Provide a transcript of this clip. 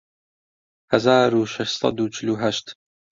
هەزار و شەش سەد و چل و هەشت